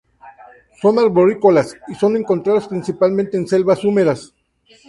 Son arborícolas, y son encontrados principalmente en selvas húmedas.